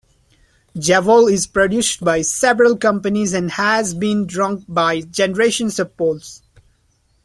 Jabol is produced by several companies and has been drunk by generations of Poles.